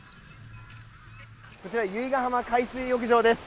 こちら由比ガ浜海水浴場です。